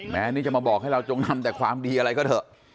แม้นี่จะมาบอกให้เราจงนำแต่ความดีอะไรก็เถอะ